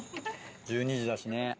１２時だしね。